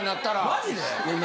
マジで？